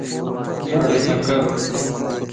رڙ نڪر